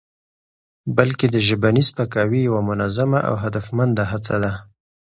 بلکې د ژبني سپکاوي یوه منظمه او هدفمنده هڅه ده؛